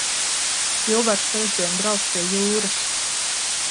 Ilvars trešdien brauks pie jūras.